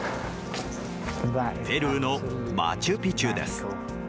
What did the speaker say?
ペルーのマチュ・ピチュです。